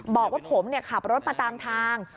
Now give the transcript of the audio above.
บอกว่าผมเนี่ยขับรถมาต่างทาง